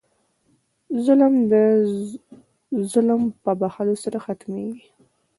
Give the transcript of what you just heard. ظلم د ظلم په بښلو سره ختمېږي.